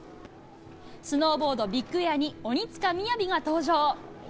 スノーボードビッグエアに鬼塚雅が登場。